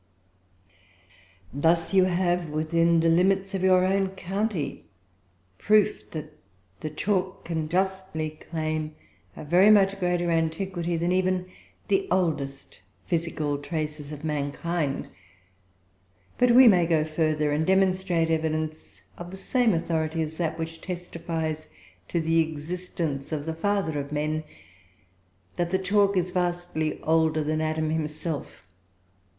Thus you have, within the limits of your own county, proof that the chalk can justly claim a very much greater antiquity than even the oldest physical traces of mankind. But we may go further and demonstrate, by evidence of the same authority as that which testifies to the existence of the father of men, that the chalk is vastly older than Adam himself.